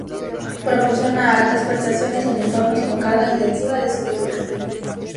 Proporciona altas prestaciones en entornos con carga intensiva de escritura.